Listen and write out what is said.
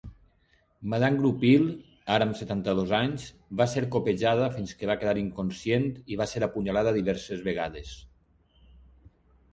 Madame Groupil, ara amb setanta dos anys, va ser copejada fins que va quedar inconscient i va ser apunyalada diverses vegades.